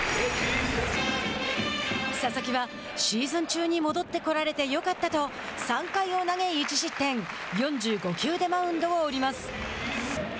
佐々木は、シーズン中に戻ってこられてよかったと３回を投げ１失点４５球でマウンドを降ります。